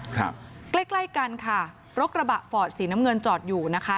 ใกล้กันค่ะรกระบะฝอดสีน้ำเงินจอดอยู่นะคะ